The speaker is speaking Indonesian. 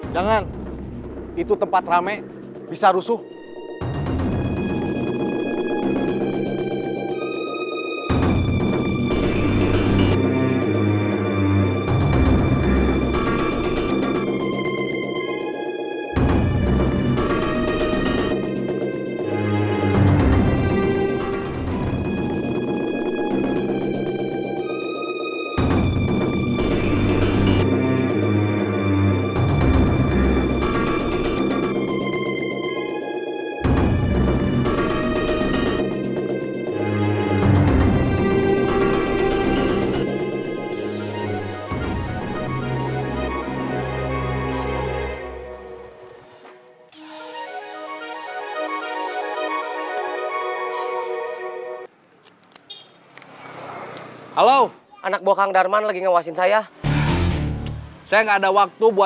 jangan lupa kamu harus berhati hati